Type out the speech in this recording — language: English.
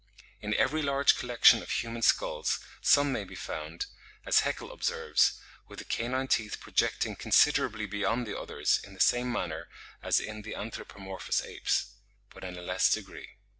In every large collection of human skulls some may be found, as Haeckel (43. 'Generelle Morphologie,' 1866, B. ii. s. clv.) observes, with the canine teeth projecting considerably beyond the others in the same manner as in the anthropomorphous apes, but in a less degree.